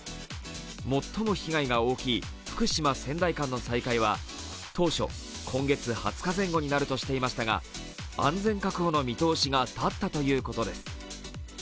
最も被害が大きい福島・仙台間の再開は当初、今月２０日前後になるとしていましたが、安全確保の見通しが立ったということです。